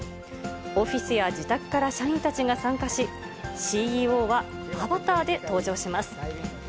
オフィスや自宅から社員たちが参加し、ＣＥＯはアバターで登場します。